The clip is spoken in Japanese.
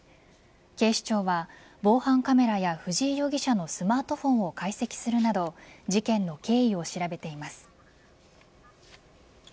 警視庁は防犯カメラや藤井容疑者のスマートフォンを解析するなど事件の経緯を調べています。